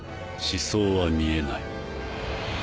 死相は見えない。